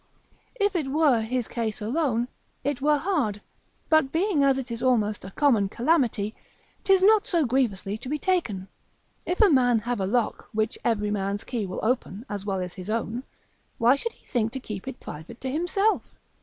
If it were his case alone, it were hard; but being as it is almost a common calamity, 'tis not so grievously to be taken. If a man have a lock, which every man's key will open, as well as his own, why should he think to keep it private to himself?